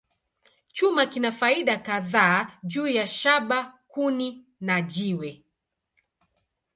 Chuma kina faida kadhaa juu ya shaba, kuni, na jiwe.